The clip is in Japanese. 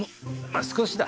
少しだ。